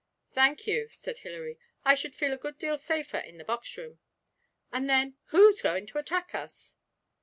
'Thank you,' said Hilary. 'I should feel a good deal safer in the box room. And then, who's going to attack us?'